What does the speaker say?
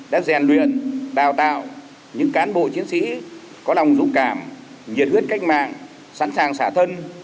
đã rèn luyện đào tạo những cán bộ chiến sĩ có lòng dũng cảm nhiệt huyết cách mạng sẵn sàng xả thân